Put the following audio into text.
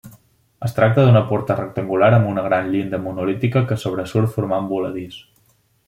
Es tracta d'una porta rectangular amb una gran llinda monolítica que sobresurt formant voladís.